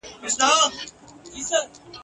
یو بلبل وو د ښکاري دام ته لوېدلی ..